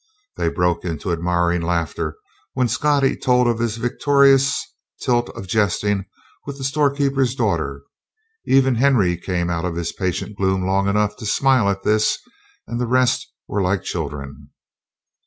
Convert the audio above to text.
They broke into admiring laughter when Scottie told of his victorious tilt of jesting with the storekeeper's daughter; even Henry came out of his patient gloom long enough to smile at this, and the rest were like children.